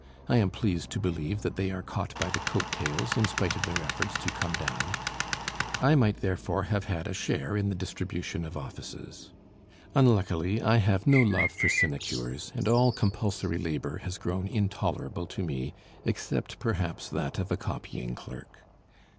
I am pleased to believe that they are caught by the coat tails, in spite of their efforts to come down. I might therefore have had a share in the distribution of offices. Unluckily I have no love for sinecures, and all compulsory labor has grown intolerable to me, except perhaps that of a copying clerk.